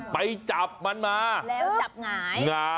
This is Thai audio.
ไปจับมันมา